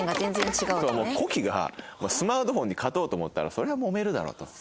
もう子機がスマートフォンに勝とうと思ったらそれはもめるだろうと。